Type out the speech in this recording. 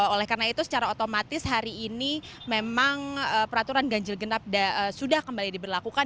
oleh karena itu secara otomatis hari ini memang peraturan ganjil genap sudah kembali diberlakukan